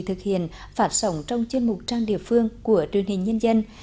thực hiện phát sóng trong chương trình trang địa phương của truyền hình nhân dân